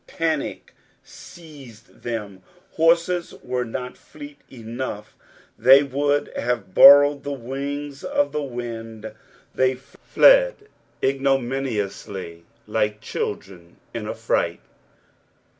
Panic seized them, horses were not fleet enough ; they would have borrowed the wings of the wind. They fled ignominiously, like children in a fright.